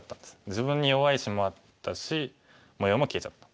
自分に弱い石もあったし模様も消えちゃった。